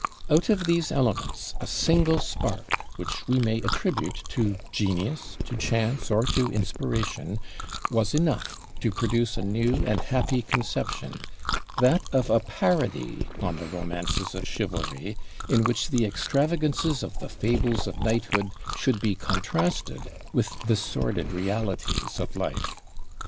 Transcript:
Out of these elements a single spark, which we may attribute to genius, to chance, or to inspiration, was enough to produce a new and happy conception: that of a parody on the romances of chivalry, in which the extravagances of the fables of knighthood should be contrasted with the sordid realities of life.